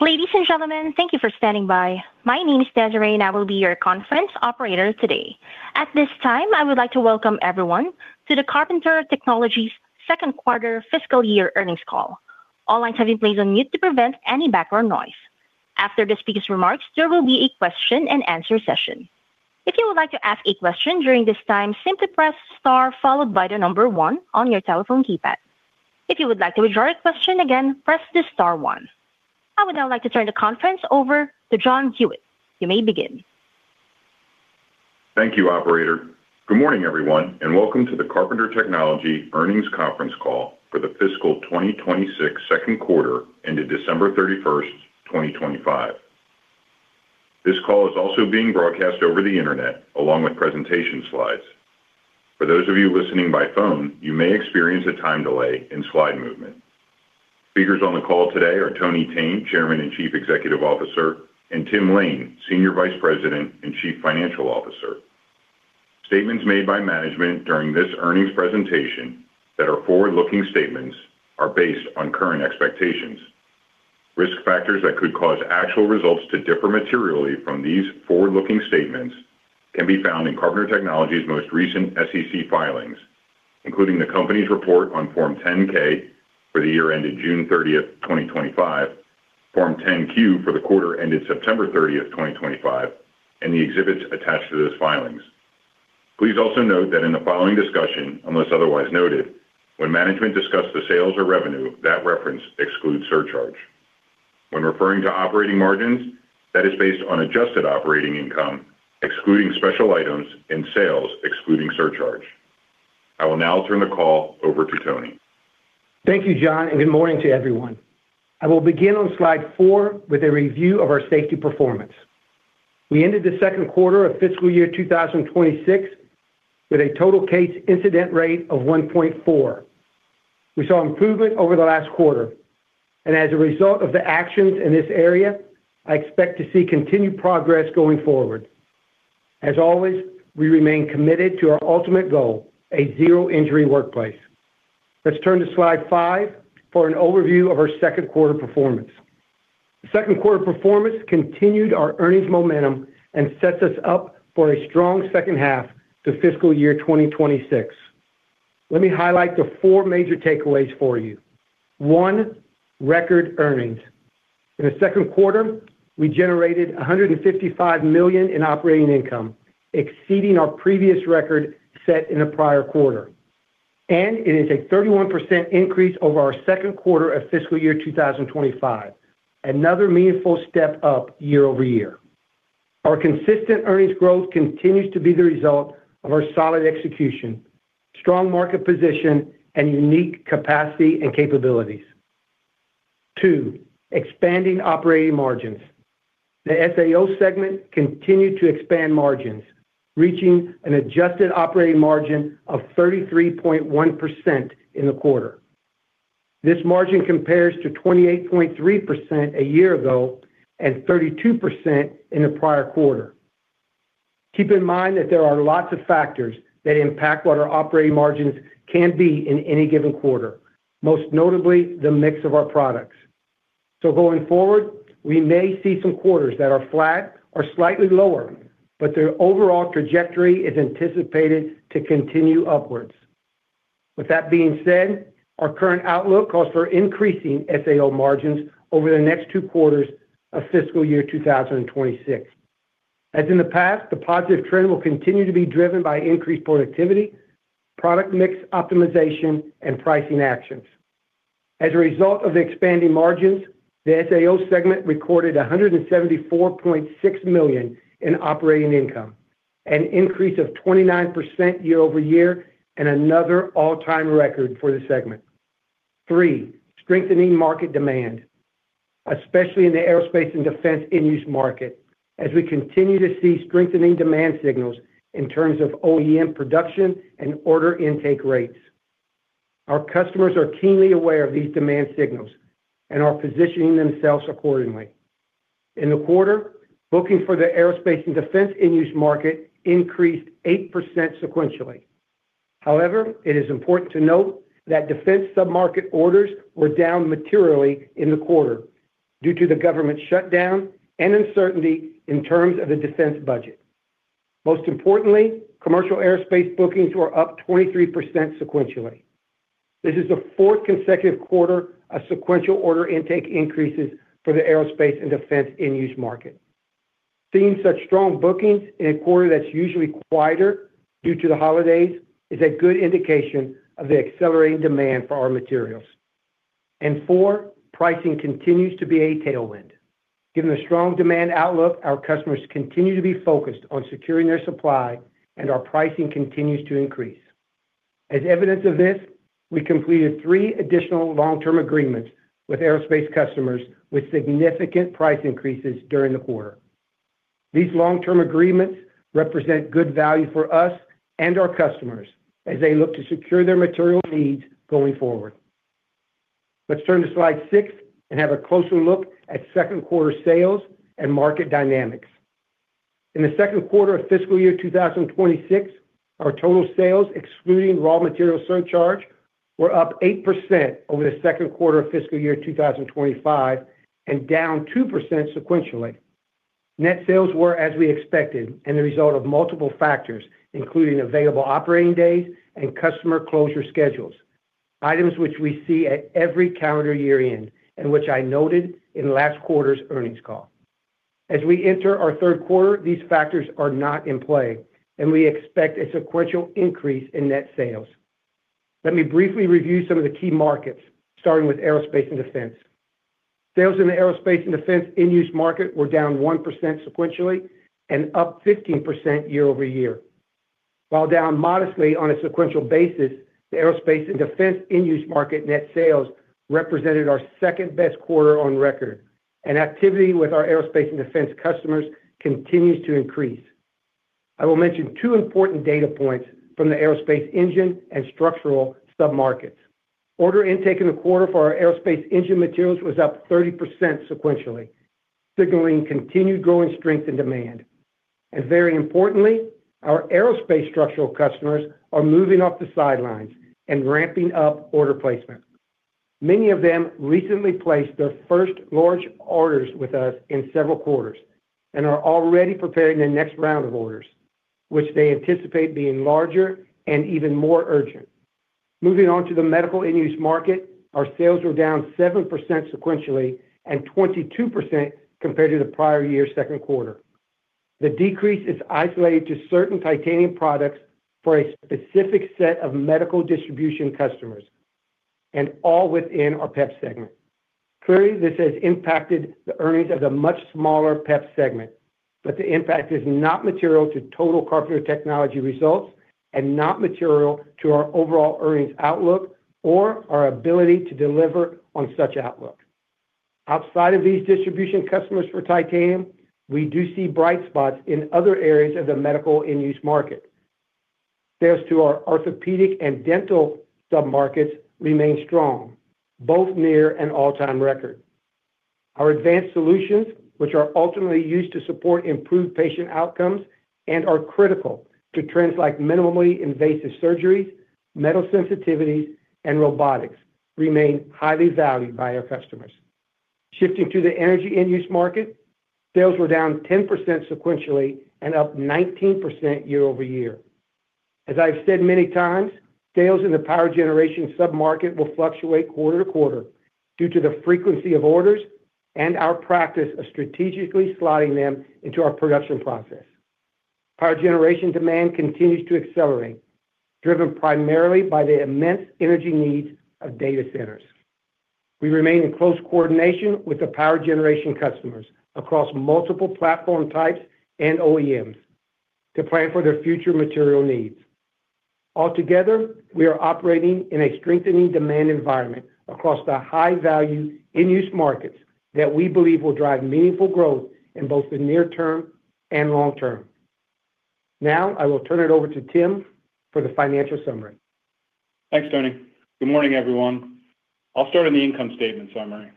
Ladies and gentlemen, thank you for standing by. My name is Desiree, and I will be your conference operator today. At this time, I would like to welcome everyone to the Carpenter Technology's second quarter fiscal year earnings call. All lines have been placed on mute to prevent any background noise. After the speaker's remarks, there will be a question and answer session. If you would like to ask a question during this time, simply press star followed by the number one on your telephone keypad. If you would like to withdraw your question again, press the star one. I would now like to turn the conference over to John Huyette. You may begin. Thank you, Operator. Good morning, everyone, and welcome to the Carpenter Technology earnings conference call for the fiscal 2026 second quarter ended December 31st, 2025. This call is also being broadcast over the internet along with presentation slides. For those of you listening by phone, you may experience a time delay in slide movement. Speakers on the call today are Tony Thene, Chairman and Chief Executive Officer, and Tim Lain, Senior Vice President and Chief Financial Officer. Statements made by management during this earnings presentation that are forward-looking statements are based on current expectations. Risk factors that could cause actual results to differ materially from these forward-looking statements can be found in Carpenter Technology's most recent SEC filings, including the company's report on Form 10-K for the year ended June 30th, 2025, Form 10-Q for the quarter ended September 30th, 2025, and the exhibits attached to those filings. Please also note that in the following discussion, unless otherwise noted, when management discussed the sales or revenue, that reference excludes surcharge. When referring to operating margins, that is based on adjusted operating income, excluding special items, and sales excluding surcharge. I will now turn the call over to Tony. Thank you, John, and good morning to everyone. I will begin on slide 4 with a review of our safety performance. We ended the second quarter of fiscal year 2026 with a total case incident rate of 1.4. We saw improvement over the last quarter, and as a result of the actions in this area, I expect to see continued progress going forward. As always, we remain committed to our ultimate goal, a zero-injury workplace. Let's turn to slide 5 for an overview of our second quarter performance. The second quarter performance continued our earnings momentum and sets us up for a strong second half to fiscal year 2026. Let me highlight the 4 major takeaways for you. 1, record earnings. In the second quarter, we generated $155 million in operating income, exceeding our previous record set in the prior quarter. It is a 31% increase over our second quarter of fiscal year 2025, another meaningful step up year over year. Our consistent earnings growth continues to be the result of our solid execution, strong market position, and unique capacity and capabilities. Two, expanding operating margins. The SAO segment continued to expand margins, reaching an adjusted operating margin of 33.1% in the quarter. This margin compares to 28.3% a year ago and 32% in the prior quarter. Keep in mind that there are lots of factors that impact what our operating margins can be in any given quarter, most notably the mix of our products. So going forward, we may see some quarters that are flat or slightly lower, but the overall trajectory is anticipated to continue upwards. With that being said, our current outlook calls for increasing SAO margins over the next two quarters of fiscal year 2026. As in the past, the positive trend will continue to be driven by increased productivity, product mix optimization, and pricing actions. As a result of expanding margins, the SAO segment recorded $174.6 million in operating income, an increase of 29% year-over-year, and another all-time record for the segment. Three, strengthening market demand, especially in the aerospace and defense end-use market, as we continue to see strengthening demand signals in terms of OEM production and order intake rates. Our customers are keenly aware of these demand signals and are positioning themselves accordingly. In the quarter, booking for the aerospace and defense end-use market increased 8% sequentially. However, it is important to note that defense sub-market orders were down materially in the quarter due to the government shutdown and uncertainty in terms of the defense budget. Most importantly, commercial aerospace bookings were up 23% sequentially. This is the fourth consecutive quarter of sequential order intake increases for the aerospace and defense end-use market. Seeing such strong bookings in a quarter that's usually quieter due to the holidays is a good indication of the accelerating demand for our materials. And four, pricing continues to be a tailwind. Given the strong demand outlook, our customers continue to be focused on securing their supply, and our pricing continues to increase. As evidence of this, we completed three additional long-term agreements with aerospace customers with significant price increases during the quarter. These long-term agreements represent good value for us and our customers as they look to secure their material needs going forward. Let's turn to slide six and have a closer look at second quarter sales and market dynamics. In the second quarter of fiscal year 2026, our total sales, excluding raw material surcharge, were up 8% over the second quarter of fiscal year 2025 and down 2% sequentially. Net sales were as we expected and the result of multiple factors, including available operating days and customer closure schedules, items which we see at every calendar year end and which I noted in last quarter's earnings call. As we enter our third quarter, these factors are not in play, and we expect a sequential increase in net sales. Let me briefly review some of the key markets, starting with aerospace and defense. Sales in the aerospace and defense end-use market were down 1% sequentially and up 15% year-over-year. While down modestly on a sequential basis, the aerospace and defense end-use market net sales represented our second best quarter on record, and activity with our aerospace and defense customers continues to increase. I will mention two important data points from the aerospace engine and structural sub-markets. Order intake in the quarter for our aerospace engine materials was up 30% sequentially, signaling continued growing strength in demand. Very importantly, our aerospace structural customers are moving off the sidelines and ramping up order placement. Many of them recently placed their first large orders with us in several quarters and are already preparing their next round of orders, which they anticipate being larger and even more urgent. Moving on to the medical end-use market, our sales were down 7% sequentially and 22% compared to the prior year's second quarter. The decrease is isolated to certain titanium products for a specific set of medical distribution customers, and all within our PEP segment. Clearly, this has impacted the earnings of the much smaller PEP segment, but the impact is not material to total Carpenter Technology results and not material to our overall earnings outlook or our ability to deliver on such outlook. Outside of these distribution customers for titanium, we do see bright spots in other areas of the medical end-use market. Sales to our orthopedic and dental sub-markets remain strong, both near and all-time record. Our advanced solutions, which are ultimately used to support improved patient outcomes and are critical to trends like minimally invasive surgeries, metal sensitivities, and robotics, remain highly valued by our customers. Shifting to the energy end-use market, sales were down 10% sequentially and up 19% year-over-year. As I've said many times, sales in the power generation sub-market will fluctuate quarter to quarter due to the frequency of orders and our practice of strategically sliding them into our production process. Power generation demand continues to accelerate, driven primarily by the immense energy needs of data centers. We remain in close coordination with the power generation customers across multiple platform types and OEMs to plan for their future material needs. Altogether, we are operating in a strengthening demand environment across the high-value end-use markets that we believe will drive meaningful growth in both the near term and long term. Now, I will turn it over to Tim for the financial summary. Thanks, Tony. Good morning, everyone. I'll start on the income statement summary.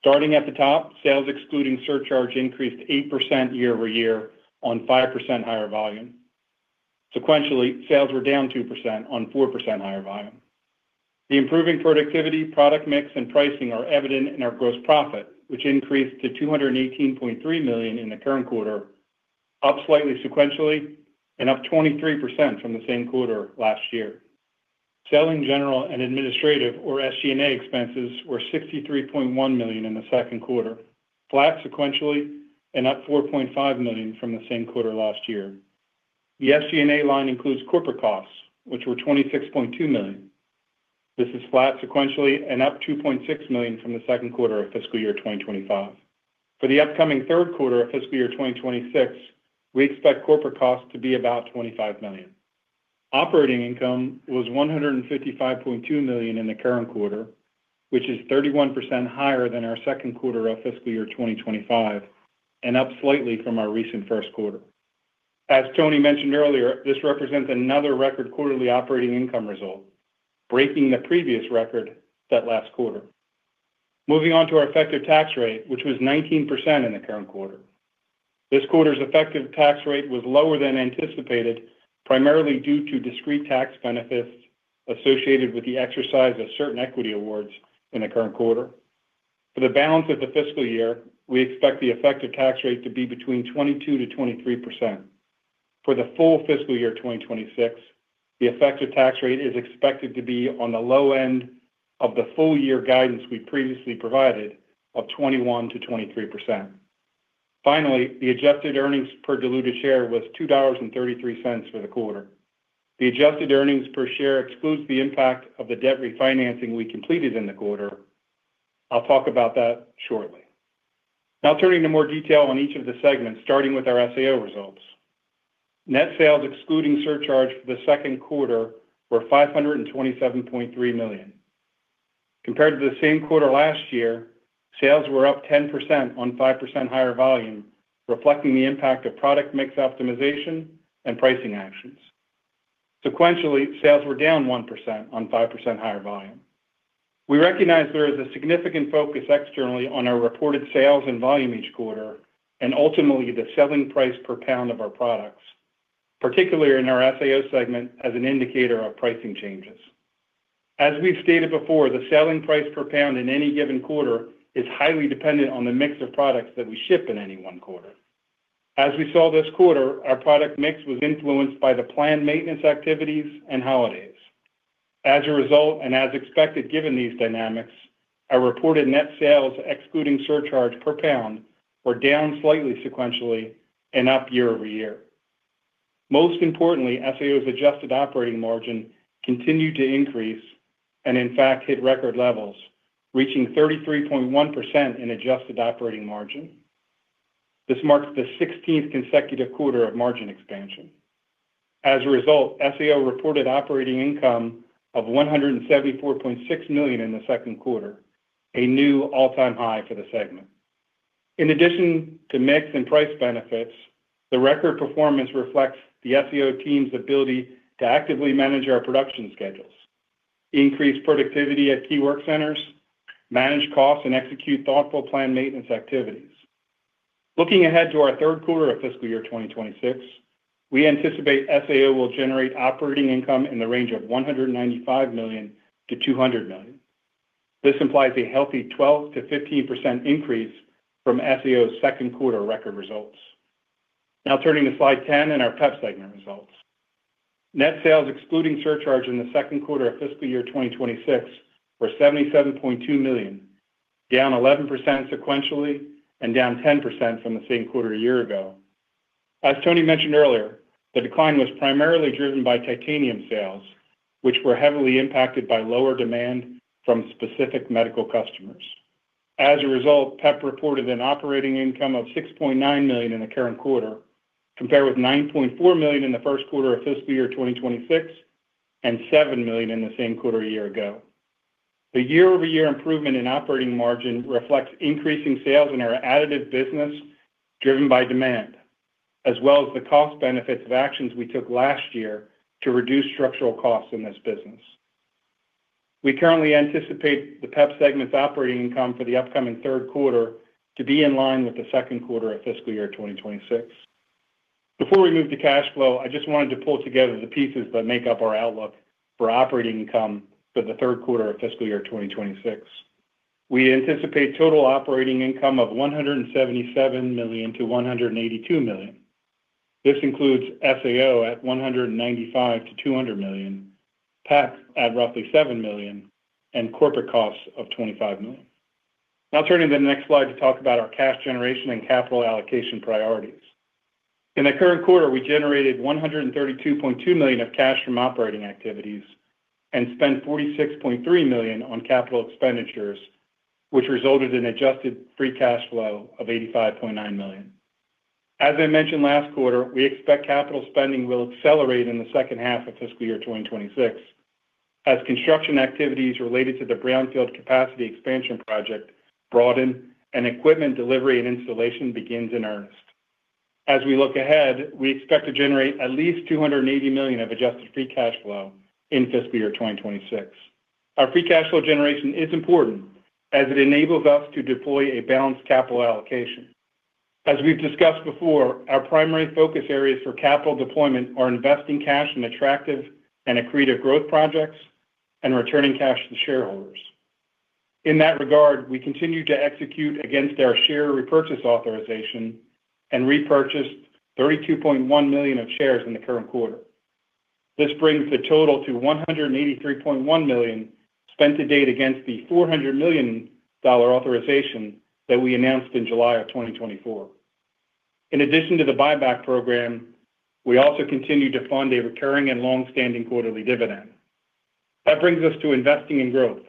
Starting at the top, sales excluding surcharge increased 8% year-over-year on 5% higher volume. Sequentially, sales were down 2% on 4% higher volume. The improving productivity, product mix, and pricing are evident in our gross profit, which increased to $218.3 million in the current quarter, up slightly sequentially, and up 23% from the same quarter last year. Selling general and administrative, or SG&A, expenses were $63.1 million in the second quarter, flat sequentially, and up $4.5 million from the same quarter last year. The SG&A line includes corporate costs, which were $26.2 million. This is flat sequentially and up $2.6 million from the second quarter of fiscal year 2025. For the upcoming third quarter of fiscal year 2026, we expect corporate costs to be about $25 million. Operating income was $155.2 million in the current quarter, which is 31% higher than our second quarter of fiscal year 2025 and up slightly from our recent first quarter. As Tony mentioned earlier, this represents another record quarterly operating income result, breaking the previous record set last quarter. Moving on to our effective tax rate, which was 19% in the current quarter. This quarter's effective tax rate was lower than anticipated, primarily due to discrete tax benefits associated with the exercise of certain equity awards in the current quarter. For the balance of the fiscal year, we expect the effective tax rate to be between 22%-23%. For the full fiscal year 2026, the effective tax rate is expected to be on the low end of the full year guidance we previously provided of 21%-23%. Finally, the adjusted earnings per diluted share was $2.33 for the quarter. The adjusted earnings per share excludes the impact of the debt refinancing we completed in the quarter. I'll talk about that shortly. Now, turning to more detail on each of the segments, starting with our SAO results. Net sales excluding surcharge for the second quarter were $527.3 million. Compared to the same quarter last year, sales were up 10% on 5% higher volume, reflecting the impact of product mix optimization and pricing actions. Sequentially, sales were down 1% on 5% higher volume. We recognize there is a significant focus externally on our reported sales and volume each quarter and ultimately the selling price per pound of our products, particularly in our SAO segment as an indicator of pricing changes. As we've stated before, the selling price per pound in any given quarter is highly dependent on the mix of products that we ship in any one quarter. As we saw this quarter, our product mix was influenced by the planned maintenance activities and holidays. As a result, and as expected given these dynamics, our reported net sales excluding surcharge per pound were down slightly sequentially and up year-over-year. Most importantly, SAO's adjusted operating margin continued to increase and, in fact, hit record levels, reaching 33.1% in adjusted operating margin. This marked the 16th consecutive quarter of margin expansion. As a result, SAO reported operating income of $174.6 million in the second quarter, a new all-time high for the segment. In addition to mix and price benefits, the record performance reflects the SAO team's ability to actively manage our production schedules, increase productivity at key work centers, manage costs, and execute thoughtful planned maintenance activities. Looking ahead to our third quarter of fiscal year 2026, we anticipate SAO will generate operating income in the range of $195 million-$200 million. This implies a healthy 12%-15% increase from SAO's second quarter record results. Now, turning to slide 10 in our PEP segment results. Net sales excluding surcharge in the second quarter of fiscal year 2026 were $77.2 million, down 11% sequentially and down 10% from the same quarter a year ago. As Tony mentioned earlier, the decline was primarily driven by titanium sales, which were heavily impacted by lower demand from specific medical customers. As a result, PEP reported an operating income of $6.9 million in the current quarter, compared with $9.4 million in the first quarter of fiscal year 2026 and $7 million in the same quarter a year ago. The year-over-year improvement in operating margin reflects increasing sales in our additive business driven by demand, as well as the cost-benefits of actions we took last year to reduce structural costs in this business. We currently anticipate the PEP segment's operating income for the upcoming third quarter to be in line with the second quarter of fiscal year 2026. Before we move to cash flow, I just wanted to pull together the pieces that make up our outlook for operating income for the third quarter of fiscal year 2026. We anticipate total operating income of $177 million-$182 million. This includes SAO at $195 million-$200 million, PEP at roughly $7 million, and corporate costs of $25 million. Now, turning to the next slide to talk about our cash generation and capital allocation priorities. In the current quarter, we generated $132.2 million of cash from operating activities and spent $46.3 million on capital expenditures, which resulted in adjusted free cash flow of $85.9 million. As I mentioned last quarter, we expect capital spending will accelerate in the second half of fiscal year 2026 as construction activities related to the brownfield capacity expansion project broaden and equipment delivery and installation begins in earnest. As we look ahead, we expect to generate at least $280 million of adjusted free cash flow in fiscal year 2026. Our free cash flow generation is important as it enables us to deploy a balanced capital allocation. As we've discussed before, our primary focus areas for capital deployment are investing cash in attractive and accretive growth projects and returning cash to shareholders. In that regard, we continue to execute against our share repurchase authorization and repurchased $32.1 million of shares in the current quarter. This brings the total to $183.1 million spent to date against the $400 million authorization that we announced in July of 2024. In addition to the buyback program, we also continue to fund a recurring and long-standing quarterly dividend. That brings us to investing in growth.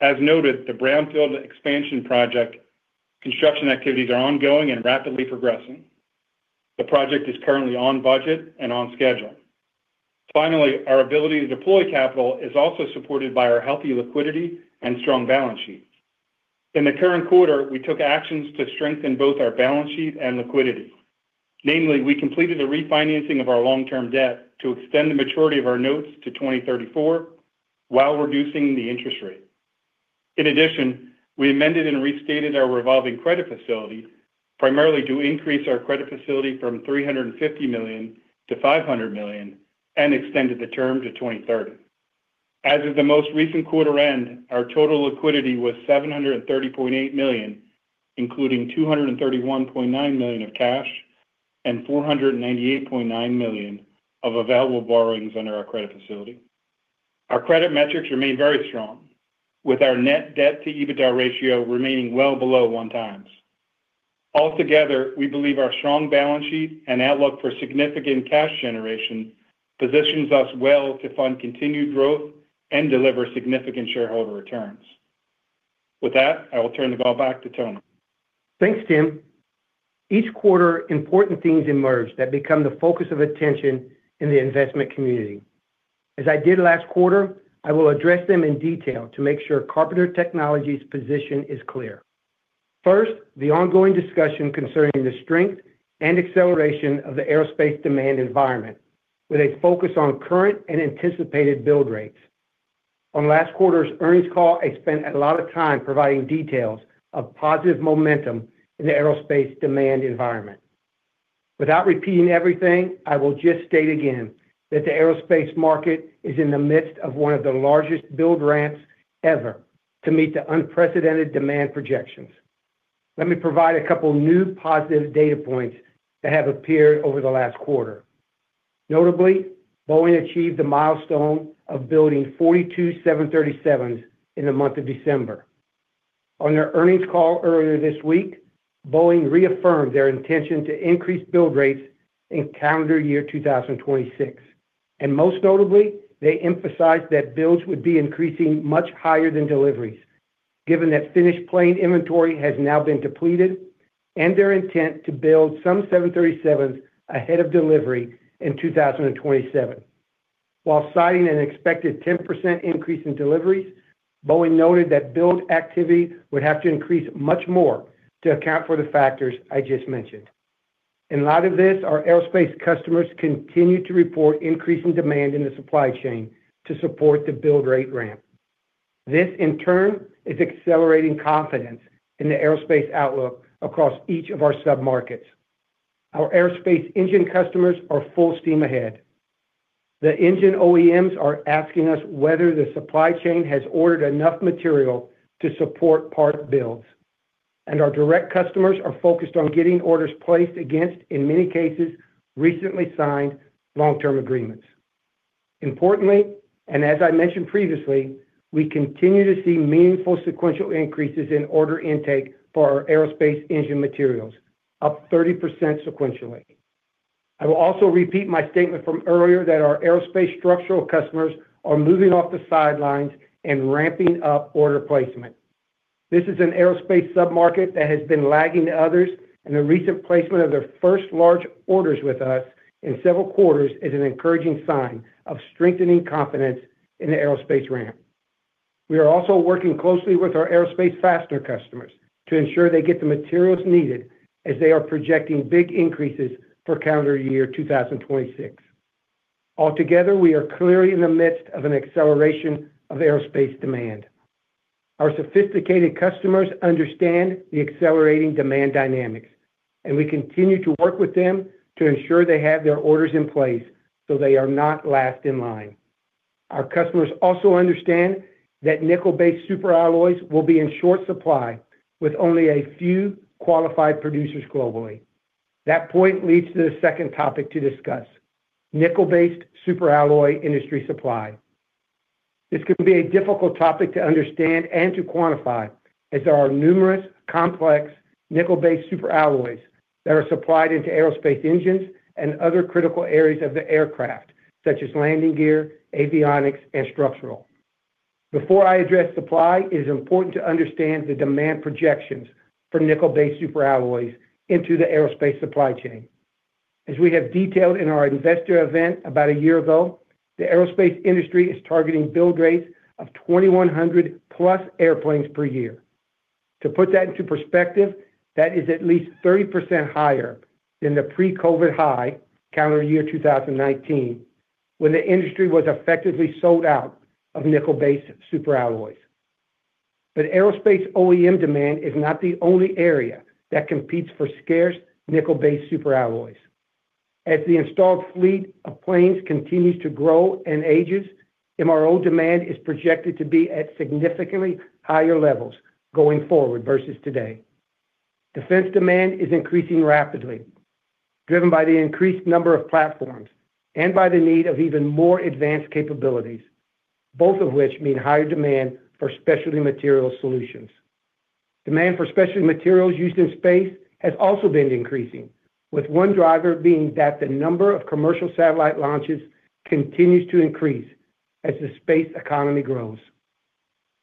As noted, the brownfield expansion project construction activities are ongoing and rapidly progressing. The project is currently on budget and on schedule. Finally, our ability to deploy capital is also supported by our healthy liquidity and strong balance sheet. In the current quarter, we took actions to strengthen both our balance sheet and liquidity. Namely, we completed a refinancing of our long-term debt to extend the maturity of our notes to 2034 while reducing the interest rate. In addition, we amended and restated our revolving credit facility primarily to increase our credit facility from $350 million to $500 million and extended the term to 2030. As of the most recent quarter end, our total liquidity was $730.8 million, including $231.9 million of cash and $498.9 million of available borrowings under our credit facility. Our credit metrics remain very strong, with our net debt-to-EBITDA ratio remaining well below one times. Altogether, we believe our strong balance sheet and outlook for significant cash generation positions us well to fund continued growth and deliver significant shareholder returns. With that, I will turn the ball back to Tony. Thanks, Tim. Each quarter, important things emerge that become the focus of attention in the investment community. As I did last quarter, I will address them in detail to make sure Carpenter Technology's position is clear. First, the ongoing discussion concerning the strength and acceleration of the aerospace demand environment, with a focus on current and anticipated build rates. On last quarter's earnings call, I spent a lot of time providing details of positive momentum in the aerospace demand environment. Without repeating everything, I will just state again that the aerospace market is in the midst of one of the largest build ramps ever to meet the unprecedented demand projections. Let me provide a couple of new positive data points that have appeared over the last quarter. Notably, Boeing achieved the milestone of building 42 737s in the month of December. On their earnings call earlier this week, Boeing reaffirmed their intention to increase build rates in calendar year 2026. Most notably, they emphasized that builds would be increasing much higher than deliveries, given that finished plane inventory has now been depleted, and their intent to build some 737s ahead of delivery in 2027. While citing an expected 10% increase in deliveries, Boeing noted that build activity would have to increase much more to account for the factors I just mentioned. In light of this, our aerospace customers continue to report increasing demand in the supply chain to support the build rate ramp. This, in turn, is accelerating confidence in the aerospace outlook across each of our submarkets. Our aerospace engine customers are full steam ahead. The engine OEMs are asking us whether the supply chain has ordered enough material to support part builds. Our direct customers are focused on getting orders placed against, in many cases, recently signed long-term agreements. Importantly, and as I mentioned previously, we continue to see meaningful sequential increases in order intake for our aerospace engine materials, up 30% sequentially. I will also repeat my statement from earlier that our aerospace structural customers are moving off the sidelines and ramping up order placement. This is an aerospace submarket that has been lagging to others, and the recent placement of their first large orders with us in several quarters is an encouraging sign of strengthening confidence in the aerospace ramp. We are also working closely with our aerospace fastener customers to ensure they get the materials needed as they are projecting big increases for calendar year 2026. Altogether, we are clearly in the midst of an acceleration of aerospace demand. Our sophisticated customers understand the accelerating demand dynamics, and we continue to work with them to ensure they have their orders in place so they are not last in line. Our customers also understand that nickel-based superalloys will be in short supply with only a few qualified producers globally. That point leads to the second topic to discuss: nickel-based superalloy industry supply. This can be a difficult topic to understand and to quantify, as there are numerous complex nickel-based superalloys that are supplied into aerospace engines and other critical areas of the aircraft, such as landing gear, avionics, and structural. Before I address supply, it is important to understand the demand projections for nickel-based superalloys into the aerospace supply chain. As we have detailed in our investor event about a year ago, the aerospace industry is targeting build rates of 2,100+ airplanes per year. To put that into perspective, that is at least 30% higher than the pre-COVID high calendar year 2019, when the industry was effectively sold out of nickel-based superalloy. But aerospace OEM demand is not the only area that competes for scarce nickel-based superalloy. As the installed fleet of planes continues to grow and ages, MRO demand is projected to be at significantly higher levels going forward versus today. Defense demand is increasing rapidly, driven by the increased number of platforms and by the need of even more advanced capabilities, both of which mean higher demand for specialty material solutions. Demand for specialty materials used in space has also been increasing, with one driver being that the number of commercial satellite launches continues to increase as the space economy grows.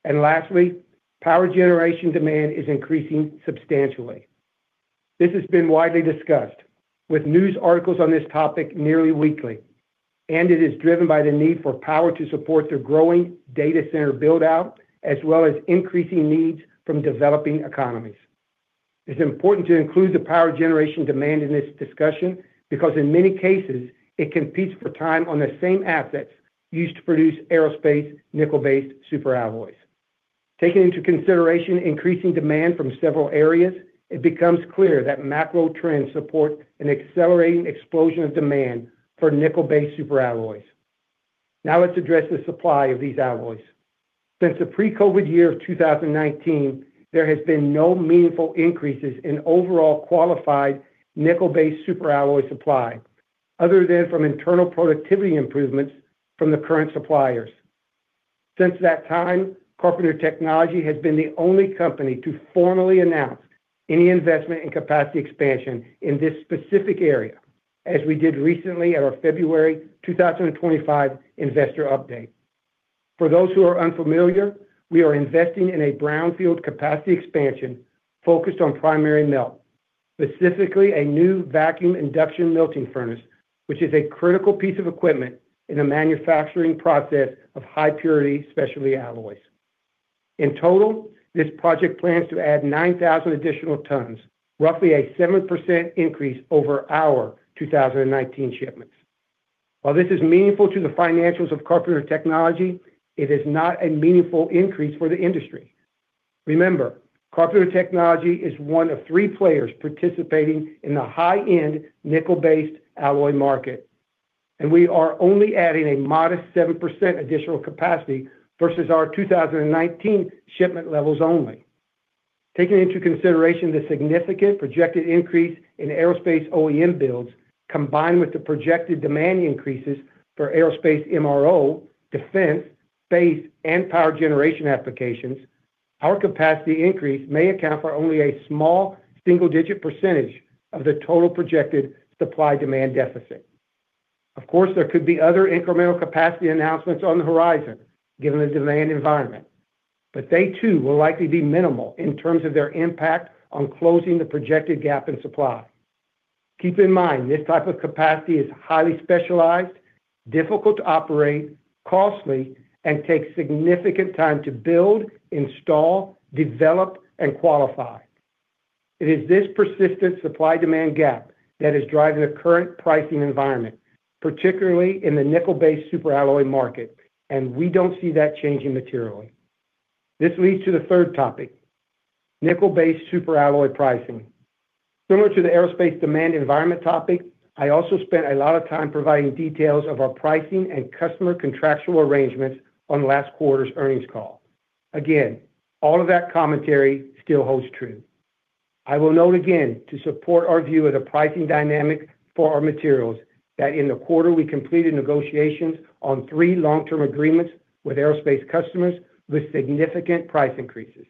And lastly, power generation demand is increasing substantially. This has been widely discussed, with news articles on this topic nearly weekly, and it is driven by the need for power to support the growing data center build-out, as well as increasing needs from developing economies. It's important to include the power generation demand in this discussion because, in many cases, it competes for time on the same assets used to produce aerospace nickel-based superalloy. Taking into consideration increasing demand from several areas, it becomes clear that macro trends support an accelerating explosion of demand for nickel-based superalloy. Now, let's address the supply of these alloys. Since the pre-COVID year of 2019, there has been no meaningful increases in overall qualified nickel-based superalloy supply other than from internal productivity improvements from the current suppliers. Since that time, Carpenter Technology has been the only company to formally announce any investment in capacity expansion in this specific area, as we did recently at our February 2025 investor update. For those who are unfamiliar, we are investing in a brownfield capacity expansion focused on primary melt, specifically a new vacuum induction melting furnace, which is a critical piece of equipment in the manufacturing process of high-purity specialty alloys. In total, this project plans to add 9,000 additional tons, roughly a 7% increase over our 2019 shipments. While this is meaningful to the financials of Carpenter Technology, it is not a meaningful increase for the industry. Remember, Carpenter Technology is one of three players participating in the high-end nickel-based alloy market, and we are only adding a modest 7% additional capacity versus our 2019 shipment levels only. Taking into consideration the significant projected increase in aerospace OEM builds combined with the projected demand increases for aerospace MRO, defense, space, and power generation applications, our capacity increase may account for only a small single-digit percentage of the total projected supply-demand deficit. Of course, there could be other incremental capacity announcements on the horizon given the demand environment, but they, too, will likely be minimal in terms of their impact on closing the projected gap in supply. Keep in mind, this type of capacity is highly specialized, difficult to operate, costly, and takes significant time to build, install, develop, and qualify. It is this persistent supply-demand gap that is driving the current pricing environment, particularly in the nickel-based superalloy market, and we don't see that changing materially. This leads to the third topic: nickel-based superalloy pricing. Similar to the aerospace demand environment topic, I also spent a lot of time providing details of our pricing and customer contractual arrangements on last quarter's earnings call. Again, all of that commentary still holds true. I will note again to support our view of the pricing dynamic for our materials that in the quarter, we completed negotiations on three long-term agreements with aerospace customers with significant price increases.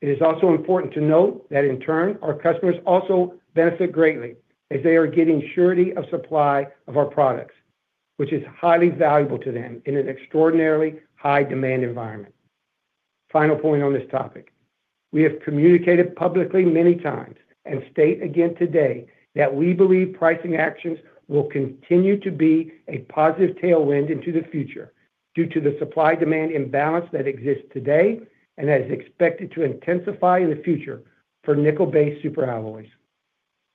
It is also important to note that, in turn, our customers also benefit greatly as they are getting surety of supply of our products, which is highly valuable to them in an extraordinarily high-demand environment. Final point on this topic: we have communicated publicly many times and state again today that we believe pricing actions will continue to be a positive tailwind into the future due to the supply-demand imbalance that exists today and is expected to intensify in the future for nickel-based superalloy.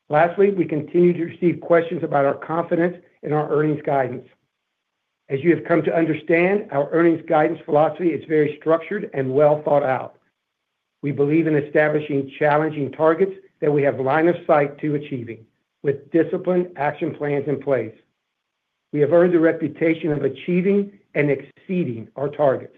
Lastly, we continue to receive questions about our confidence in our earnings guidance. As you have come to understand, our earnings guidance philosophy is very structured and well thought out. We believe in establishing challenging targets that we have line of sight to achieving with disciplined action plans in place. We have earned the reputation of achieving and exceeding our targets.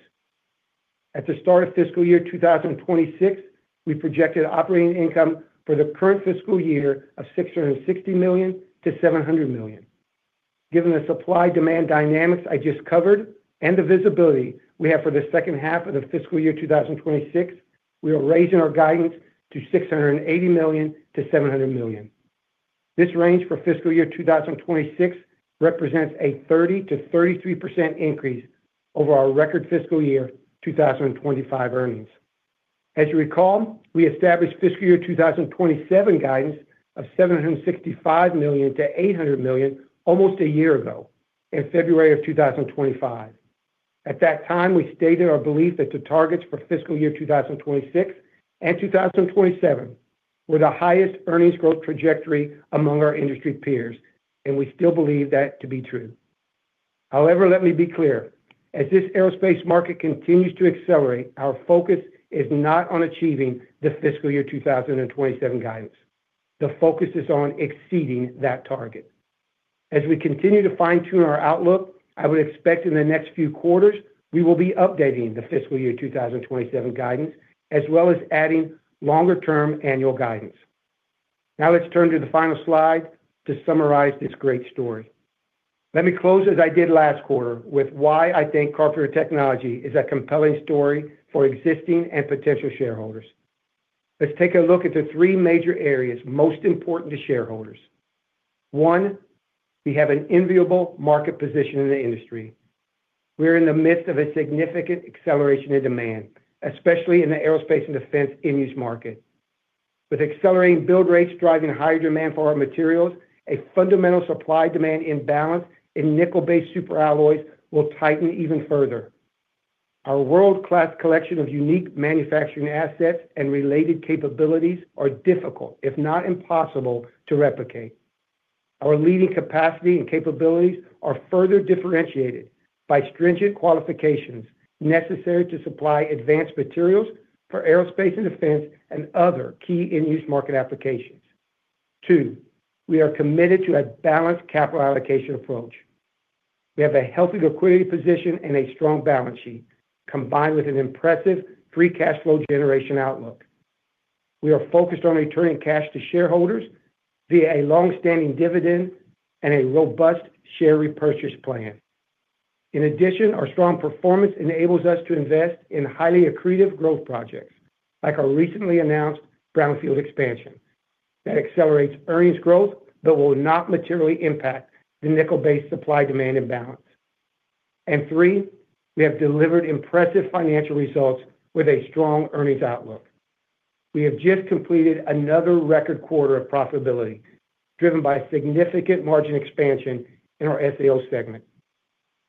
At the start of fiscal year 2026, we projected operating income for the current fiscal year of $660 million-$700 million. Given the supply-demand dynamics I just covered and the visibility we have for the second half of the fiscal year 2026, we are raising our guidance to $680 million-$700 million. This range for fiscal year 2026 represents a 30%-33% increase over our record fiscal year 2025 earnings. As you recall, we established fiscal year 2027 guidance of $765 million-$800 million almost a year ago in February of 2025. At that time, we stated our belief that the targets for fiscal year 2026 and 2027 were the highest earnings growth trajectory among our industry peers, and we still believe that to be true. However, let me be clear: as this aerospace market continues to accelerate, our focus is not on achieving the fiscal year 2027 guidance. The focus is on exceeding that target. As we continue to fine-tune our outlook, I would expect in the next few quarters, we will be updating the fiscal year 2027 guidance as well as adding longer-term annual guidance. Now, let's turn to the final slide to summarize this great story. Let me close as I did last quarter with why I think Carpenter Technology is a compelling story for existing and potential shareholders. Let's take a look at the three major areas most important to shareholders. One, we have an enviable market position in the industry. We are in the midst of a significant acceleration in demand, especially in the aerospace and defense end-use market. With accelerating build rates driving higher demand for our materials, a fundamental supply-demand imbalance in nickel-based superalloys will tighten even further. Our world-class collection of unique manufacturing assets and related capabilities are difficult, if not impossible, to replicate. Our leading capacity and capabilities are further differentiated by stringent qualifications necessary to supply advanced materials for aerospace and defense and other key end-use market applications. Two, we are committed to a balanced capital allocation approach. We have a healthy liquidity position and a strong balance sheet combined with an impressive free cash flow generation outlook. We are focused on returning cash to shareholders via a long-standing dividend and a robust share repurchase plan. In addition, our strong performance enables us to invest in highly accretive growth projects like our recently announced brownfield expansion that accelerates earnings growth but will not materially impact the nickel-based supply-demand imbalance. And three, we have delivered impressive financial results with a strong earnings outlook. We have just completed another record quarter of profitability driven by significant margin expansion in our SAO segment.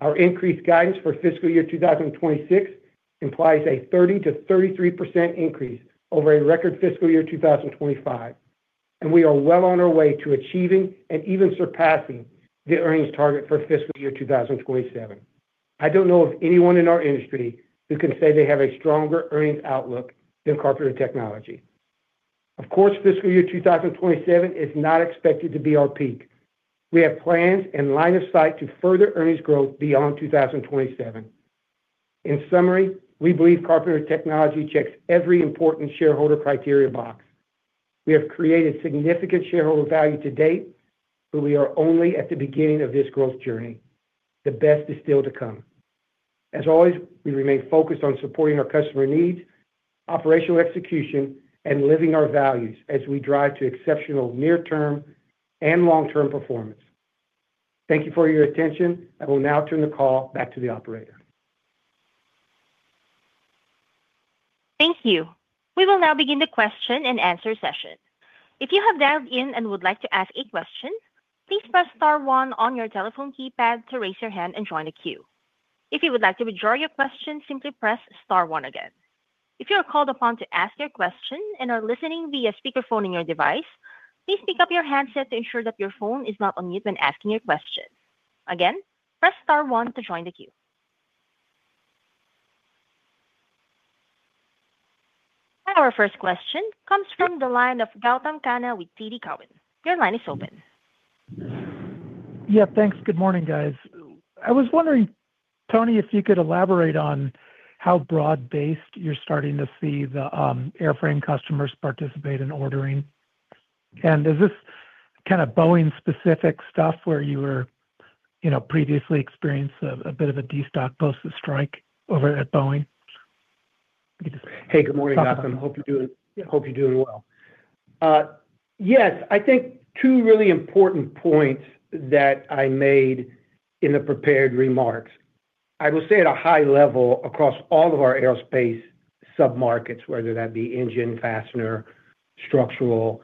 Our increased guidance for fiscal year 2026 implies a 30%-33% increase over a record fiscal year 2025, and we are well on our way to achieving and even surpassing the earnings target for fiscal year 2027. I don't know of anyone in our industry who can say they have a stronger earnings outlook than Carpenter Technology. Of course, fiscal year 2027 is not expected to be our peak. We have plans and line of sight to further earnings growth beyond 2027. In summary, we believe Carpenter Technology checks every important shareholder criteria box. We have created significant shareholder value to date, but we are only at the beginning of this growth journey. The best is still to come. As always, we remain focused on supporting our customer needs, operational execution, and living our values as we drive to exceptional near-term and long-term performance. Thank you for your attention. I will now turn the call back to the operator. Thank you. We will now begin the question and answer session. If you have dialed in and would like to ask a question, please press Star 1 on your telephone keypad to raise your hand and join the queue. If you would like to withdraw your question, simply press Star 1 again. If you are called upon to ask your question and are listening via speakerphone in your device, please pick up your handset to ensure that your phone is not on mute when asking your question. Again, press Star 1 to join the queue. Our first question comes from the line of Gautam Khanna with TD Cowen. Your line is open. Yeah, thanks. Good morning, guys. I was wondering, Tony, if you could elaborate on how broad-based you're starting to see the airframe customers participate in ordering? Is this kind of Boeing-specific stuff where you previously experienced a bit of a de-stock post-strike over at Boeing? Hey, good morning, Gautam. Hope you're doing well. Yes, I think two really important points that I made in the prepared remarks. I will say at a high level across all of our aerospace sub-markets, whether that be engine, fastener, structural,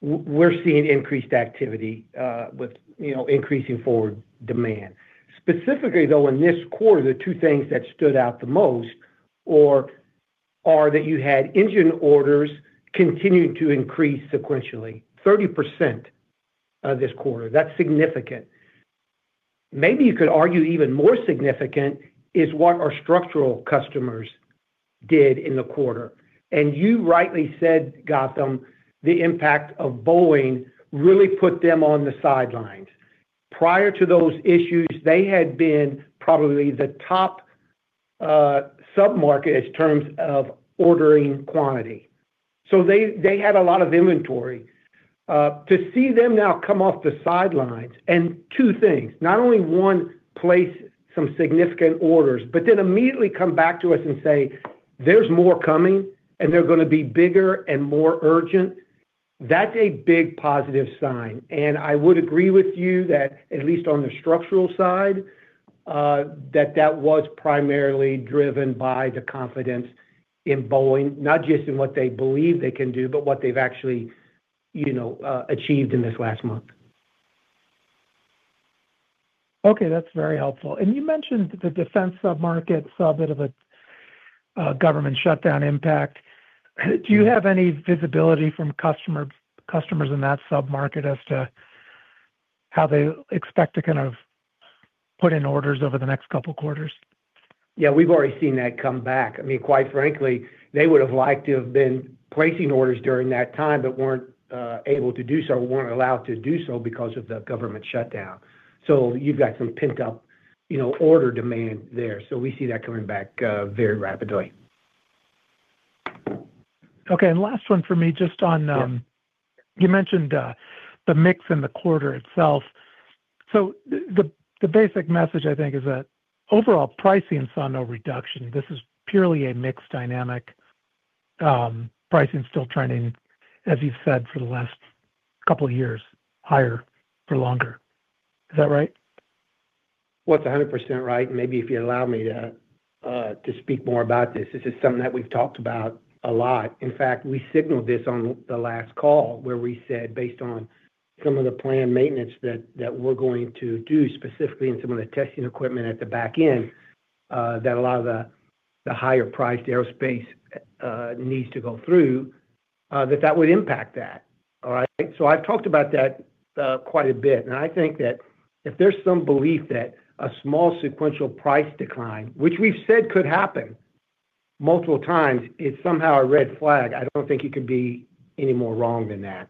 we're seeing increased activity with increasing forward demand. Specifically, though, in this quarter, the two things that stood out the most are that you had engine orders continue to increase sequentially 30% this quarter. That's significant. Maybe you could argue even more significant is what our structural customers did in the quarter. And you rightly said, Gautam, the impact of Boeing really put them on the sidelines. Prior to those issues, they had been probably the top sub-market in terms of ordering quantity. So they had a lot of inventory. To see them now come off the sidelines and two things: not only to place some significant orders, but then immediately come back to us and say, "There's more coming, and they're going to be bigger and more urgent," that's a big positive sign. And I would agree with you that, at least on the structural side, that that was primarily driven by the confidence in Boeing, not just in what they believe they can do, but what they've actually achieved in this last month. Okay, that's very helpful. And you mentioned the defense sub-market saw a bit of a government shutdown impact. Do you have any visibility from customers in that sub-market as to how they expect to kind of put in orders over the next couple of quarters? Yeah, we've already seen that come back. I mean, quite frankly, they would have liked to have been placing orders during that time but weren't able to do so or weren't allowed to do so because of the government shutdown. So you've got some pent-up order demand there. So we see that coming back very rapidly. Okay, and last one for me just on you mentioned the mix in the quarter itself. So the basic message, I think, is that overall pricing saw no reduction. This is purely a mixed dynamic. Pricing's still trending, as you've said, for the last couple of years, higher for longer. Is that right? Well, it's 100% right. And maybe if you allow me to speak more about this, this is something that we've talked about a lot. In fact, we signaled this on the last call where we said, based on some of the planned maintenance that we're going to do specifically in some of the testing equipment at the back end that a lot of the higher-priced aerospace needs to go through, that that would impact that, all right? So I've talked about that quite a bit. And I think that if there's some belief that a small sequential price decline, which we've said could happen multiple times, is somehow a red flag, I don't think you could be any more wrong than that.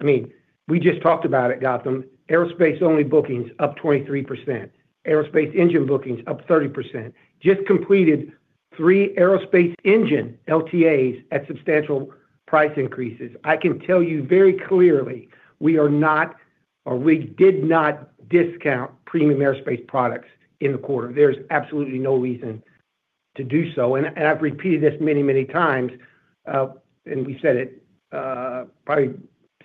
I mean, we just talked about it, Gautam. Aerospace-only bookings up 23%. Aerospace engine bookings up 30%. Just completed three aerospace engine LTAs at substantial price increases. I can tell you very clearly we are not or we did not discount premium aerospace products in the quarter. There is absolutely no reason to do so. I've repeated this many, many times, and we've said it probably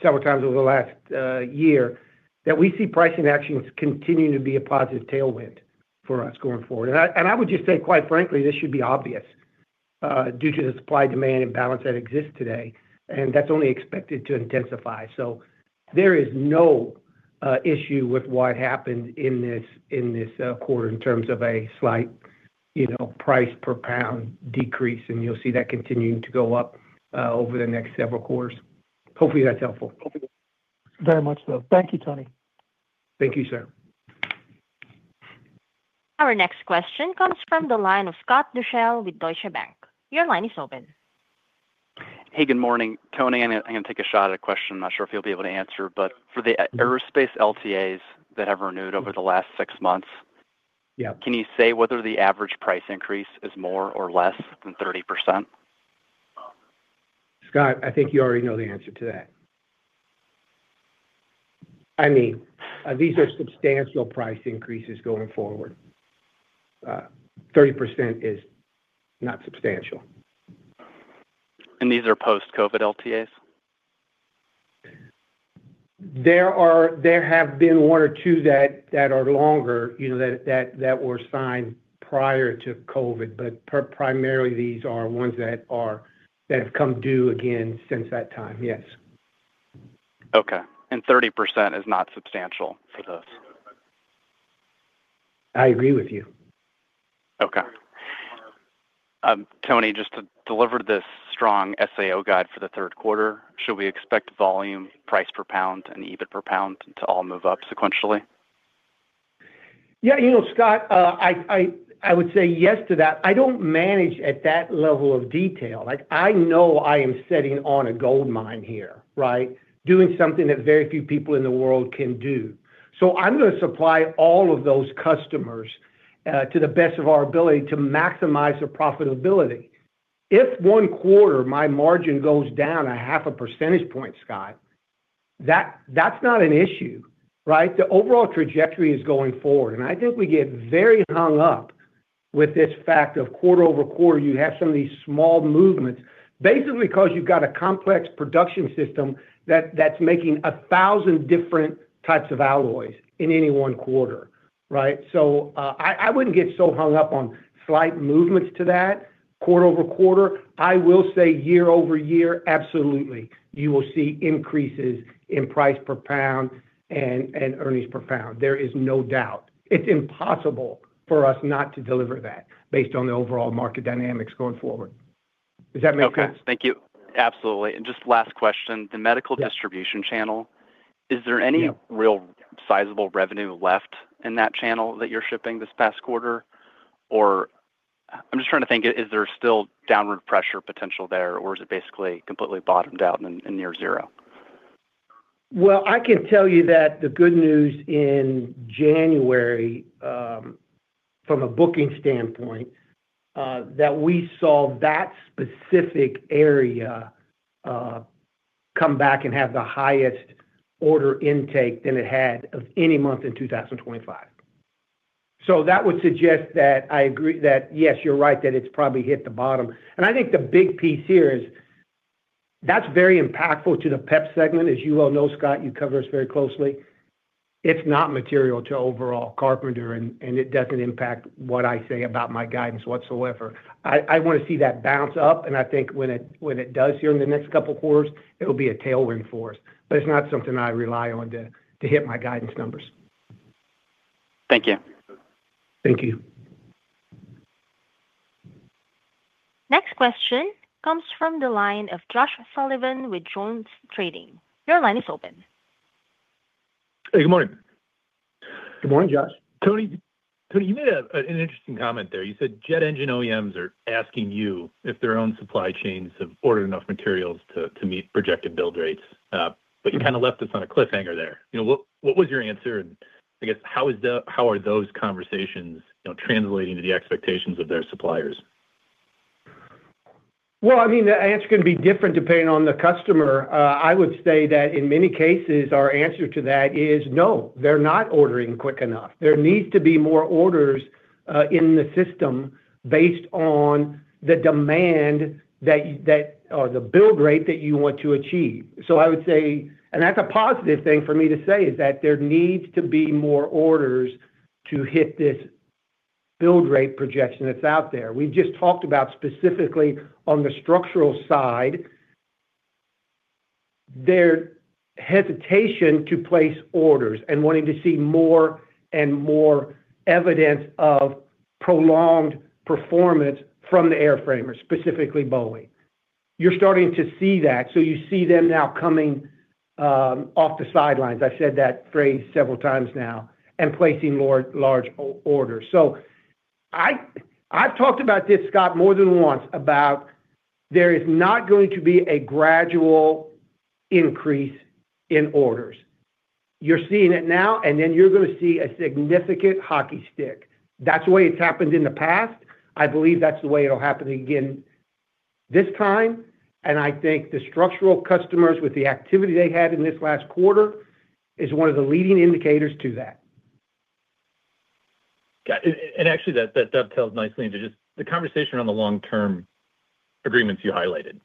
several times over the last year, that we see pricing actions continue to be a positive tailwind for us going forward. I would just say, quite frankly, this should be obvious due to the supply-demand imbalance that exists today, and that's only expected to intensify. There is no issue with what happened in this quarter in terms of a slight price per pound decrease, and you'll see that continuing to go up over the next several quarters. Hopefully, that's helpful. Very much so. Thank you, Tony. Thank you, sir. Our next question comes from the line of Scott Deuschle with Deutsche Bank. Your line is open. Hey, good morning. Tony, I'm going to take a shot at a question I'm not sure if you'll be able to answer, but for the aerospace LTAs that have renewed over the last six months, can you say whether the average price increase is more or less than 30%? Scott, I think you already know the answer to that. I mean, these are substantial price increases going forward. 30% is not substantial. And these are post-COVID LTAs? There have been one or two that are longer that were signed prior to COVID, but primarily, these are ones that have come due again since that time, yes. Okay. And 30% is not substantial for those. I agree with you. Okay. Tony, just to deliver this strong SAO guide for the third quarter, should we expect volume, price per pound, and EBIT per pound to all move up sequentially? Yeah, Scott, I would say yes to that. I don't manage at that level of detail. I know I am sitting on a gold mine here, right, doing something that very few people in the world can do. So I'm going to supply all of those customers to the best of our ability to maximize their profitability. If one quarter my margin goes down 0.5 percentage point, Scott, that's not an issue, right? The overall trajectory is going forward. And I think we get very hung up with this fact of quarter-over-quarter, you have some of these small movements, basically because you've got a complex production system that's making 1,000 different types of alloys in any one quarter, right? So I wouldn't get so hung up on slight movements to that quarter-over-quarter. I will say year-over-year, absolutely, you will see increases in price per pound and earnings per pound. There is no doubt. It's impossible for us not to deliver that based on the overall market dynamics going forward. Does that make sense? Okay. Thank you. Absolutely. And just last question, the medical distribution channel, is there any real sizable revenue left in that channel that you're shipping this past quarter? Or I'm just trying to think, is there still downward pressure potential there, or is it basically completely bottomed out and near zero? Well, I can tell you that the good news in January, from a booking standpoint, that we saw that specific area come back and have the highest order intake than it had of any month in 2025. So that would suggest that I agree that, yes, you're right, that it's probably hit the bottom. I think the big piece here is that's very impactful to the PEP segment. As you well know, Scott, you cover us very closely. It's not material to overall Carpenter, and it doesn't impact what I say about my guidance whatsoever. I want to see that bounce up, and I think when it does here in the next couple of quarters, it will be a tailwind for us. But it's not something I rely on to hit my guidance numbers. Thank you. Thank you. Next question comes from the line of Josh Sullivan with JonesTrading. Your line is open. Hey, good morning. Good morning, Josh. Tony, you made an interesting comment there. You said jet engine OEMs are asking you if their own supply chains have ordered enough materials to meet projected build rates. But you kind of left us on a cliffhanger there. What was your answer? I guess, how are those conversations translating to the expectations of their suppliers? Well, I mean, the answer can be different depending on the customer. I would say that in many cases, our answer to that is no, they're not ordering quick enough. There needs to be more orders in the system based on the demand or the build rate that you want to achieve. So I would say, and that's a positive thing for me to say, is that there needs to be more orders to hit this build rate projection that's out there. We've just talked about specifically on the structural side, their hesitation to place orders and wanting to see more and more evidence of prolonged performance from the airframers, specifically Boeing. You're starting to see that. So you see them now coming off the sidelines. I've said that phrase several times now, and placing large orders. So I've talked about this, Scott, more than once, about there is not going to be a gradual increase in orders. You're seeing it now, and then you're going to see a significant hockey stick. That's the way it's happened in the past. I believe that's the way it'll happen again this time. And I think the structural customers with the activity they had in this last quarter is one of the leading indicators to that. And actually, that dovetails nicely into just the conversation on the long-term agreements you highlighted.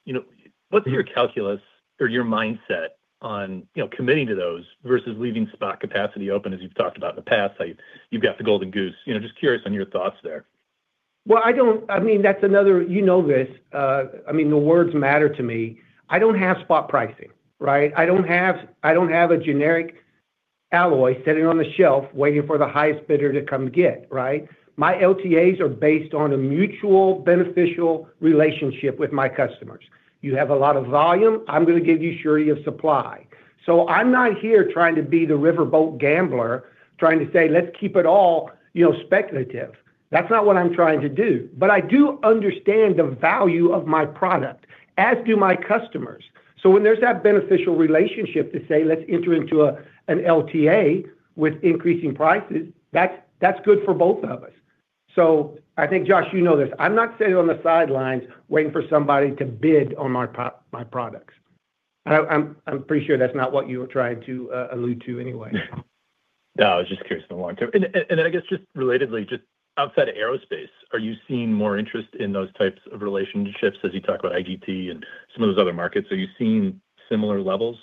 What's your calculus or your mindset on committing to those versus leaving spot capacity open, as you've talked about in the past, how you've got the golden goose? Just curious on your thoughts there. Well, I mean, that's another you know this. I mean, the words matter to me. I don't have spot pricing, right? I don't have a generic alloy sitting on the shelf waiting for the highest bidder to come get, right? My LTAs are based on a mutual beneficial relationship with my customers. You have a lot of volume. I'm going to give you surety of supply. So I'm not here trying to be the riverboat gambler, trying to say, "Let's keep it all speculative." That's not what I'm trying to do. But I do understand the value of my product, as do my customers. So when there's that beneficial relationship to say, "Let's enter into an LTA with increasing prices," that's good for both of us. So I think, Josh, you know this. I'm not sitting on the sidelines waiting for somebody to bid on my products. I'm pretty sure that's not what you were trying to allude to anyway. No, I was just curious on the long-term. And then I guess just relatedly, just outside of aerospace, are you seeing more interest in those types of relationships as you talk about IGT and some of those other markets? Are you seeing similar levels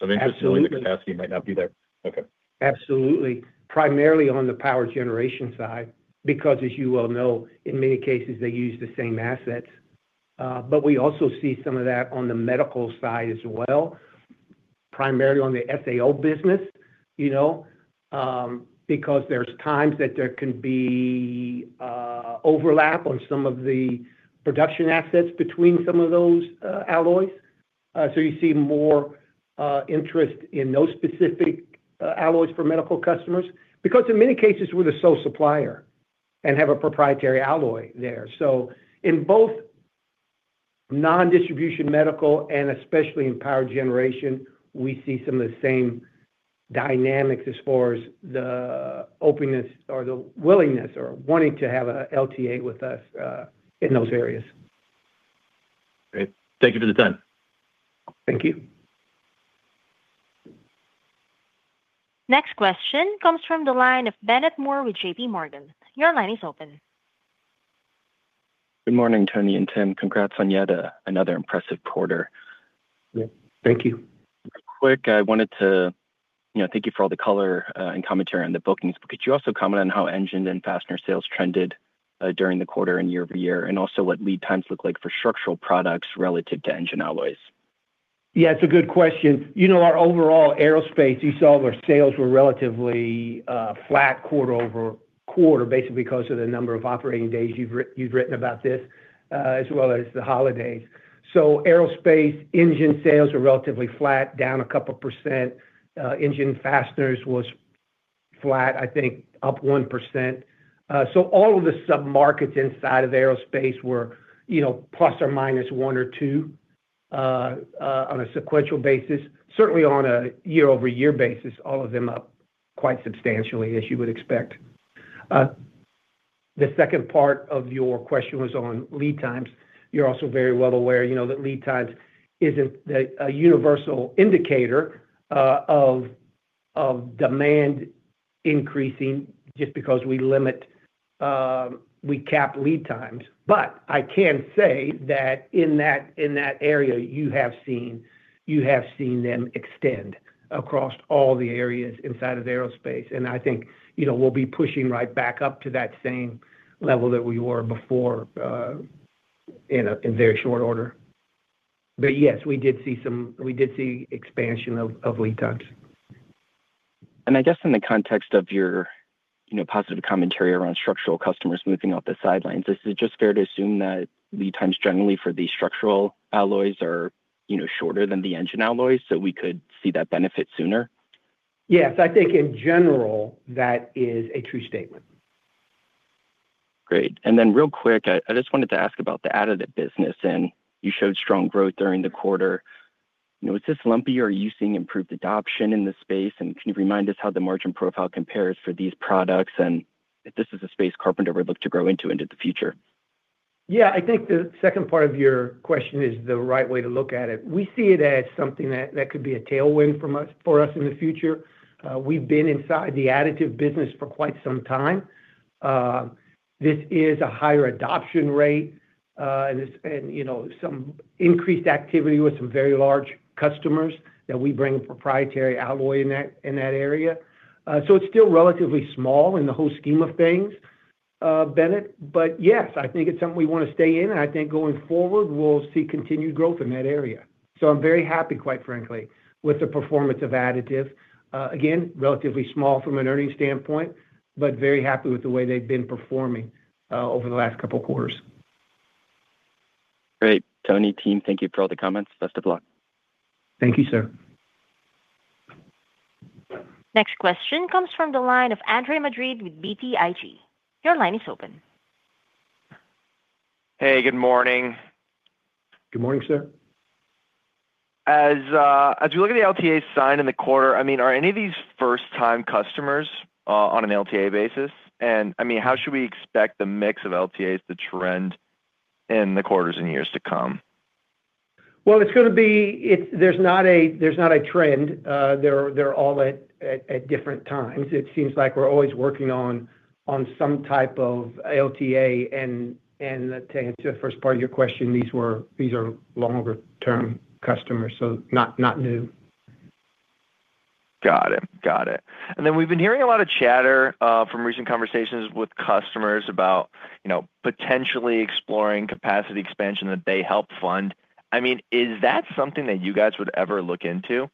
of interest? Absolutely. The capacity might not be there. Okay. Absolutely. Primarily on the power generation side, because as you well know, in many cases, they use the same assets. But we also see some of that on the medical side as well, primarily on the SAO business, because there's times that there can be overlap on some of the production assets between some of those alloys. So you see more interest in those specific alloys for medical customers, because in many cases, we're the sole supplier and have a proprietary alloy there. So in both non-distribution medical and especially in power generation, we see some of the same dynamics as far as the openness or the willingness or wanting to have an LTA with us in those areas. Great. Thank you for the time. Thank you. Next question comes from the line of Bennett Moore with J.P. Morgan. Your line is open. Good morning, Tony and Tim. Congrats on yet another impressive quarter. Thank you. Real quick, I wanted to thank you for all the color and commentary on the bookings, but could you also comment on how engine and fastener sales trended during the quarter and year-over-year, and also what lead times look like for structural products relative to engine alloys? Yeah, it's a good question. Our overall aerospace, you saw our sales were relatively flat quarter-over-quarter, basically because of the number of operating days. You've written about this, as well as the holidays. So aerospace engine sales were relatively flat, down a couple %. Engine fasteners was flat, I think, up 1%. So all of the sub-markets inside of aerospace were plus or minus one or two on a sequential basis. Certainly, on a year-over-year basis, all of them up quite substantially, as you would expect. The second part of your question was on lead times. You're also very well aware that lead times isn't a universal indicator of demand increasing just because we cap lead times. But I can say that in that area, you have seen them extend across all the areas inside of aerospace. And I think we'll be pushing right back up to that same level that we were before in very short order. But yes, we did see some expansion of lead times. I guess in the context of your positive commentary around structural customers moving off the sidelines, is it just fair to assume that lead times generally for these structural alloys are shorter than the engine alloys so we could see that benefit sooner? Yes. I think in general, that is a true statement. Great. And then real quick, I just wanted to ask about the additive business. And you showed strong growth during the quarter. Is this lumpy, or are you seeing improved adoption in this space? And can you remind us how the margin profile compares for these products? And if this is a space Carpenter would look to grow into into the future. Yeah, I think the second part of your question is the right way to look at it. We see it as something that could be a tailwind for us in the future. We've been inside the additive business for quite some time. This is a higher adoption rate and some increased activity with some very large customers that we bring a proprietary alloy in that area. So it's still relatively small in the whole scheme of things, Bennett. But yes, I think it's something we want to stay in. And I think going forward, we'll see continued growth in that area. So I'm very happy, quite frankly, with the performance of additive. Again, relatively small from an earnings standpoint, but very happy with the way they've been performing over the last couple of quarters. Great. Tony, team, thank you for all the comments. Best of luck. Thank you, sir. Next question comes from the line of Andre Madrid with BTIG. Your line is open. Hey, good morning. Good morning, sir. As we look at the LTA signings in the quarter, I mean, are any of these first-time customers on an LTA basis? And I mean, how should we expect the mix of LTAs to trend in the quarters and years to come? Well, it's going to be. There's not a trend. They're all at different times. It seems like we're always working on some type of LTA. And to answer the first part of your question, these are longer-term customers, so not new. Got it. Got it. And then we've been hearing a lot of chatter from recent conversations with customers about potentially exploring capacity expansion that they help fund. I mean, is that something that you guys would ever look into?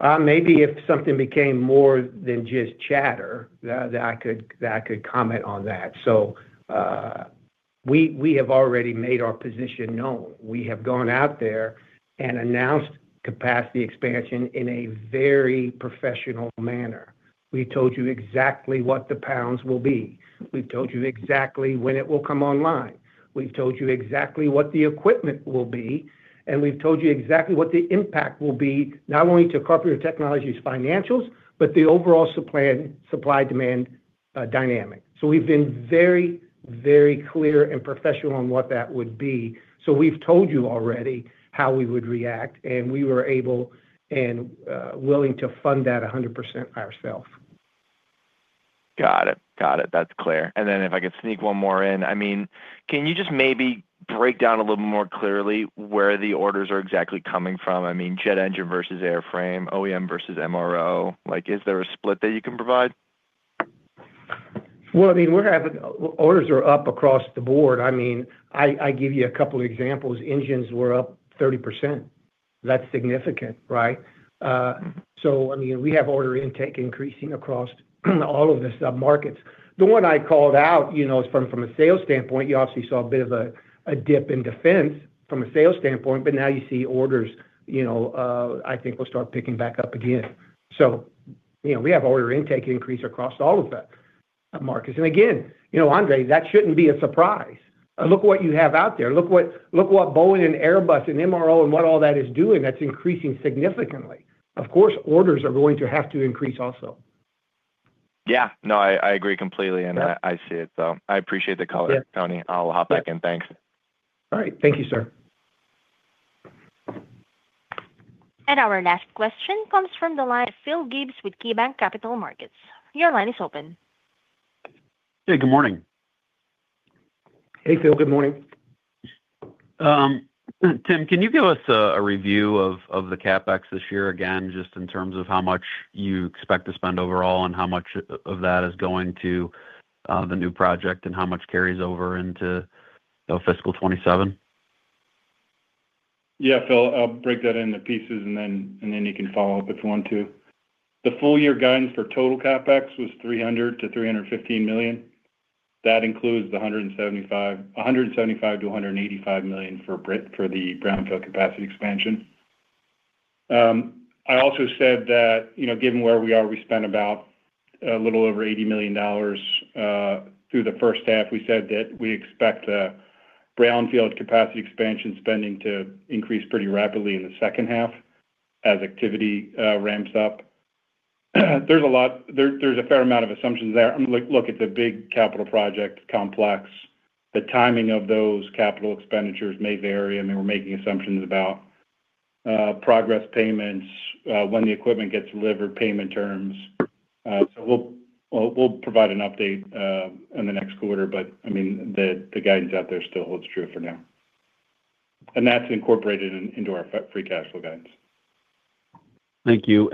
Maybe if something became more than just chatter, that I could comment on that. So we have already made our position known. We have gone out there and announced capacity expansion in a very professional manner. We've told you exactly what the pounds will be. We've told you exactly when it will come online. We've told you exactly what the equipment will be. And we've told you exactly what the impact will be, not only to Carpenter Technology's financials, but the overall supply-demand dynamic. So we've been very, very clear and professional on what that would be. So we've told you already how we would react. And we were able and willing to fund that 100% ourselves. Got it. Got it. That's clear. And then if I could sneak one more in, I mean, can you just maybe break down a little more clearly where the orders are exactly coming from? I mean, jet engine versus airframe, OEM versus MRO. Is there a split that you can provide? Well, I mean, orders are up across the board. I mean, I give you a couple of examples. Engines were up 30%. That's significant, right? So I mean, we have order intake increasing across all of the sub-markets. The one I called out from a sales standpoint, you obviously saw a bit of a dip in defense from a sales standpoint, but now you see orders, I think, will start picking back up again. So we have order intake increase across all of the markets. And again, Andre, that shouldn't be a surprise. Look what you have out there. Look what Boeing and Airbus and MRO and what all that is doing that's increasing significantly. Of course, orders are going to have to increase also. Yeah. No, I agree completely. And I see it, though. I appreciate the color, Tony. I'll hop back in. Thanks. All right. Thank you, sir. Our last question comes from the line of Phil Gibbs with KeyBanc Capital Markets. Your line is open. Hey, good morning. Hey, Phil. Good morning. Tim, can you give us a review of the CapEx this year again, just in terms of how much you expect to spend overall and how much of that is going to the new project and how much carries over into fiscal 2027? Yeah, Phil, I'll break that into pieces, and then you can follow up if you want to. The full-year guidance for total CapEx was $300 million-$315 million. That includes the $175 million-$185 million for the brownfield capacity expansion. I also said that given where we are, we spent about a little over $80 million through the first half. We said that we expect brownfield capacity expansion spending to increase pretty rapidly in the second half as activity ramps up. There's a fair amount of assumptions there. Look at the big capital project complex. The timing of those capital expenditures may vary. I mean, we're making assumptions about progress payments, when the equipment gets delivered, payment terms. So we'll provide an update in the next quarter. But I mean, the guidance out there still holds true for now. And that's incorporated into our free cash flow guidance. Thank you.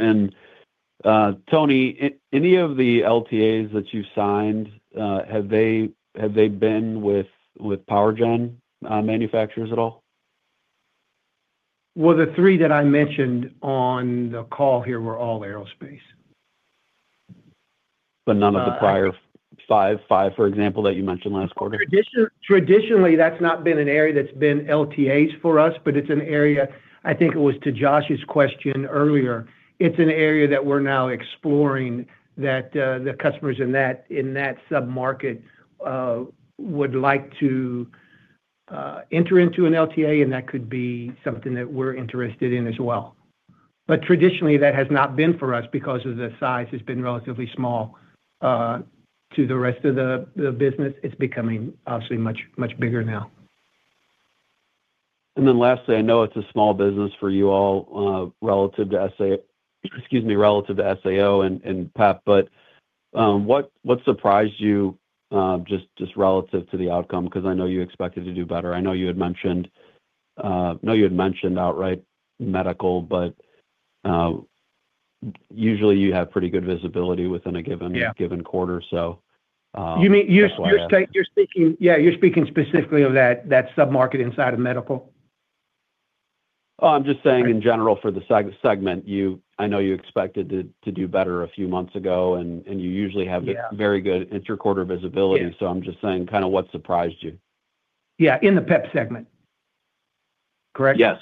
And Tony, any of the LTAs that you signed, have they been with power gen manufacturers at all? Well, the three that I mentioned on the call here were all aerospace. But none of the prior five, for example, that you mentioned last quarter? Traditionally, that's not been an area that's been LTAs for us, but it's an area I think it was to Josh's question earlier. It's an area that we're now exploring that the customers in that sub-market would like to enter into an LTA, and that could be something that we're interested in as well. But traditionally, that has not been for us because of the size. It's been relatively small. To the rest of the business, it's becoming obviously much bigger now. And then lastly, I know it's a small business for you all relative to SAO and PEP, but what surprised you just relative to the outcome? Because I know you expected to do better. I know you had mentioned I know you had mentioned outright medical, but usually, you have pretty good visibility within a given quarter, so. You mean your state? Yeah, you're speaking specifically of that sub-market inside of medical? Oh, I'm just saying in general for the segment. I know you expected to do better a few months ago, and you usually have very good interquarter visibility. So I'm just saying kind of what surprised you. Yeah, in the PEP segment. Correct? Yes.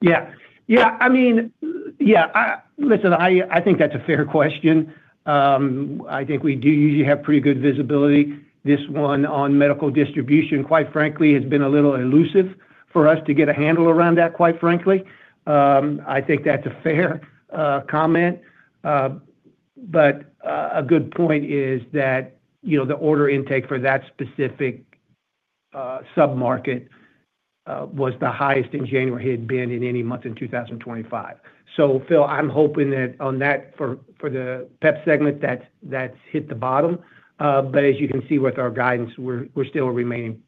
Yeah. Yeah. I mean, yeah. Listen, I think that's a fair question. I think we do usually have pretty good visibility. This one on medical distribution, quite frankly, has been a little elusive for us to get a handle around that, quite frankly. I think that's a fair comment. But a good point is that the order intake for that specific sub-market was the highest in January had been in any month in 2025. So, Phil, I'm hoping that on that for the PEP segment, that's hit the bottom. But as you can see with our guidance, we're still remaining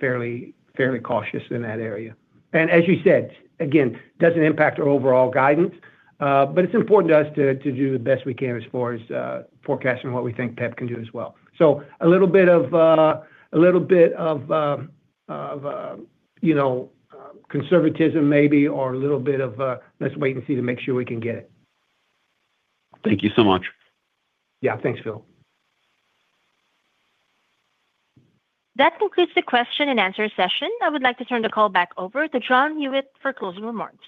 fairly cautious in that area. As you said, again, it doesn't impact our overall guidance, but it's important to us to do the best we can as far as forecasting what we think PEP can do as well. A little bit of a little bit of conservatism maybe, or a little bit of let's wait and see to make sure we can get it. Thank you so much. Yeah. Thanks, Phil. That concludes the question and answer session. I would like to turn the call back over to John Huyette for closing remarks.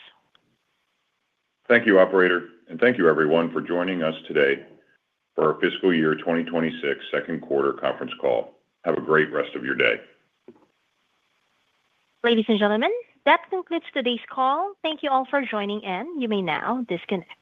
Thank you, operator. Thank you, everyone, for joining us today for our fiscal year 2026 second quarter conference call. Have a great rest of your day. Ladies and gentlemen, that concludes today's call. Thank you all for joining in. You may now disconnect.